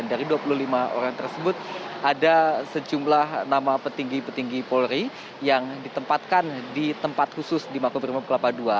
dari dua puluh lima orang tersebut ada sejumlah nama petinggi petinggi polri yang ditempatkan di tempat khusus di makobrimob kelapa ii